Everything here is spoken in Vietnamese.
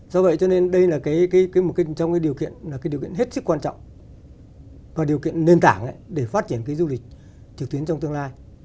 do vậy cho nên đây là trong cái điều kiện là cái điều kiện hết sức quan trọng và điều kiện nền tảng để phát triển cái du lịch trực tuyến trong tương lai